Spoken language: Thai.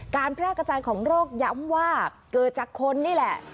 แพร่กระจายของโรคย้ำว่าเกิดจากคนนี่แหละ